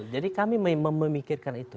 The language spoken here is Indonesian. jadi kita memang memikirkan itu